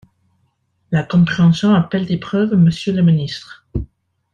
La « compréhension » appelle des preuves, monsieur le ministre.